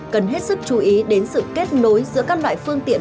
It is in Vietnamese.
cần hết sức chú ý đến sự kết nối giữa các loại phương tiện